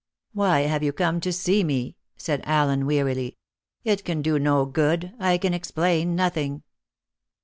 "Why have you come to see me?" said Allen wearily. "It can do no good. I can explain nothing."